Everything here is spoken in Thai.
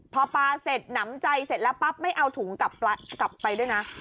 พอปลาเสร็จหนำใจเสร็จแล้วปั๊บไม่เอาถุงกลับไปด้วยนะ